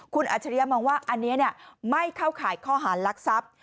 คุณอัจฉริยะมองว่าอันนี้ไม่เข้าข่ายข้อหารลักทรัพย์